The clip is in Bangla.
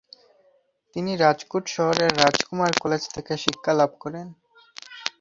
তিনি রাজকোট শহরের রাজকুমার কলেজ থেকে শিক্ষালাভ করেন।